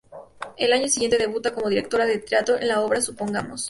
Al año siguiente debuta como directora de teatro en la obra "Supongamos".